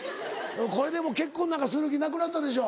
これでもう結婚なんかする気なくなったでしょ？